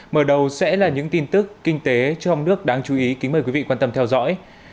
mở đầu sẽ là những tin tức kinh tế trong nước đáng chú ý kính mời quý vị quan tâm theo dõi